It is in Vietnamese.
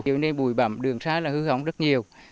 nhiều nơi bụi bẩm đường xa là hư hỏng rất nhiều